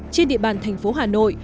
trên địa bàn thành phố hà nội